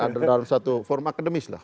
ada dalam satu forum akademis lah